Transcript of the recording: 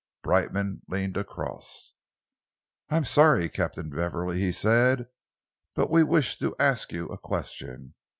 Brightman leaned across. "I am sorry, Captain Beverley," he said, "but we wish to ask you a question.